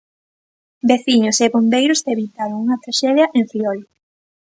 Veciños e bombeiros evitaron unha traxedia en Friol.